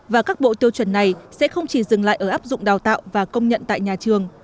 và các bộ tiêu chuẩn này sẽ không chỉ dừng lại ở áp dụng đào tạo và công nhận tại nhà trường